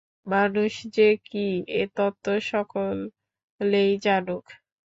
মানুষ যে কি, এ তত্ত্ব সকলেই জানুক।